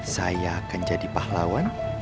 saya akan jadi pahlawan